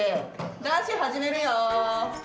男子始めるよ。